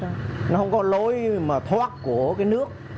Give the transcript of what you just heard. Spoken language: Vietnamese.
nó không có lối mà thoát của cái nước